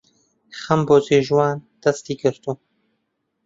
خەم بۆ جێژوان دەستی گرتووم